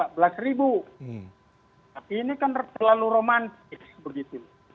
tapi ini kan terlalu romantis begitu